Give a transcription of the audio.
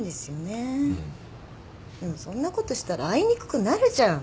でもそんなことしたら会いにくくなるじゃん。